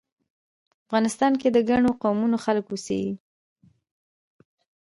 افغانستان کې د ګڼو قومونو خلک اوسیږی